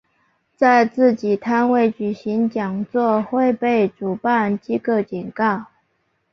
在自己摊位举行讲座会被主办机构警告。